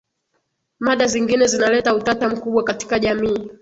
mada zingine zinaleta utata mkubwa katika jamii